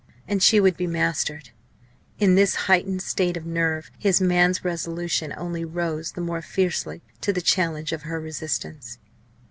And she would be mastered! In this heightened state of nerve his man's resolution only rose the more fiercely to the challenge of her resistance.